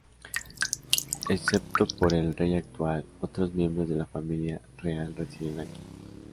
Excepto por el Rey actual, otros miembros de la familia real residen aquí.